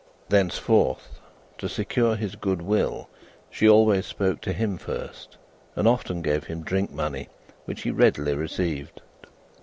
Thenceforth, to secure his good will, she always spoke to him first, and often gave him drink money, which he readily received.